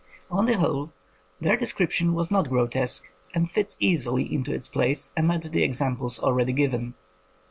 On the whole, their de scription was not grotesque, and fits easily into its place amid the examples already given.